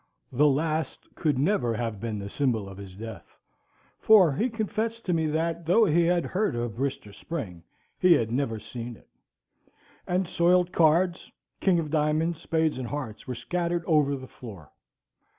The last could never have been the symbol of his death, for he confessed to me that, though he had heard of Brister's Spring, he had never seen it; and soiled cards, kings of diamonds spades and hearts, were scattered over the floor.